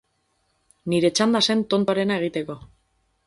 Nire txanda zen tontoarena egiteko.